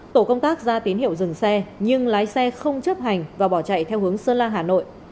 tổ công tác ra tín hiệu dừng xe nhưng lái xe không chấp hành và bỏ chạy theo hướng sơn la hà nội